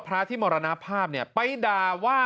พระธิมรณภาพเนี่ยไปด่าว่า